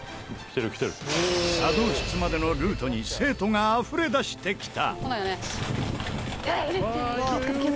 茶道室までのルートに生徒があふれ出してきた！